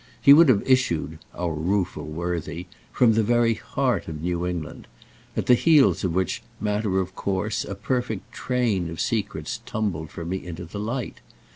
He would have issued, our rueful worthy, from the very heart of New England—at the heels of which matter of course a perfect train of secrets tumbled for me into the light.